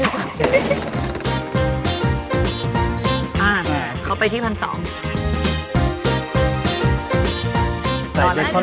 อ่าเข้าไปที่พันธุ์สอง